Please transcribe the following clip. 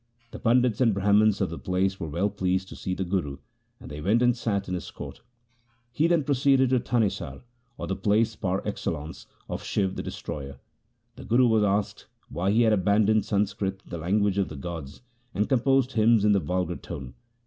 The Pandits and Brahmans of the place were well pleased to see the Guru, and they went and sat in his court. He then proceeded to Thanesar or the place par excellence of Shiv the destroyer. The Guru was asked whyhe had abandoned Sanskrit, the language of the gods, and composed hymns in the vulgar tongue.